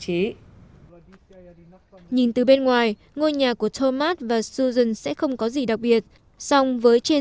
chế nhìn từ bên ngoài ngôi nhà của thomas và suzon sẽ không có gì đặc biệt song với trên